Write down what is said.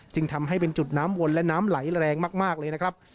จึงทำให้เป็นจุดน้ำวนและน้ำไหลแรงมากเลยนะครับ